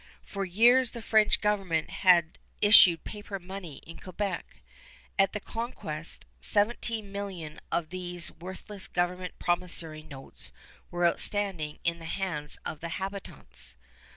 For years the French government had issued paper money in Quebec. After the conquest seventeen millions of these worthless government promissory notes were outstanding in the hands of the habitants.